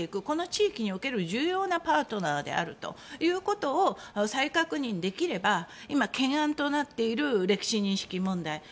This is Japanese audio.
この地域における重要なパートナーであるということを再確認できれば今、懸案となっている歴史認識問題